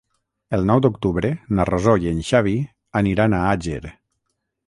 El nou d'octubre na Rosó i en Xavi aniran a Àger.